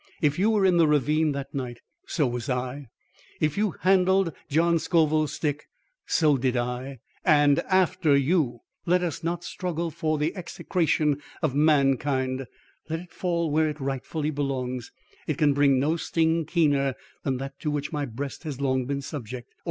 If you were in the ravine that night, so was I. If you handled John Scoville's stick, so did I, AND AFTER YOU! Let us not struggle for the execration of mankind; let it fall where it rightfully belongs. It can bring no sting keener than that to which my breast has long been subject.